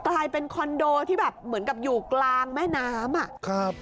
กลายเป็นคอนโดที่แบบเหมือนกับอยู่กลางแม่น้ำอ่ะครับ